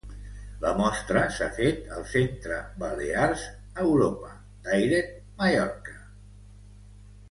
La mostra s'ha fet al Centre Balears Europa Direct Mallorca.